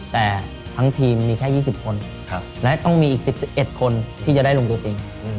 แต่ทั้งทีมมีแค่๒๐คนและต้องมีอีก๑๑คนที่จะได้ลงตัวจริง